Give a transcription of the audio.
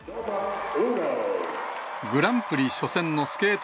グランプリ初戦のスケート